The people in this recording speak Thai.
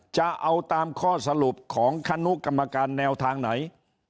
จะเอาตามข้อสรุปของคณะกรรมการแนวทางไหน